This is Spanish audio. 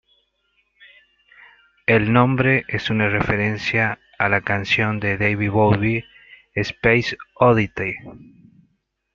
El nombre es una referencia a y la canción de David Bowie "Space Oddity".